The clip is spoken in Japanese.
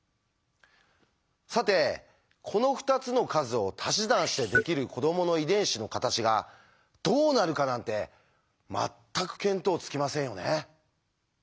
さてこの２つの数をたし算してできる子どもの遺伝子の形がどうなるかなんて全く見当つきませんよね。